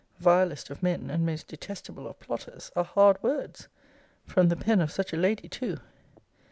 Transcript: Vilest of men, and most detestable of plotters, are hard words! From the pen of such a lady too.